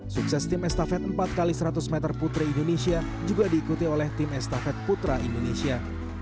sukses tim estafet empat x seratus meter putri indonesia juga diikuti oleh tim estafet putra indonesia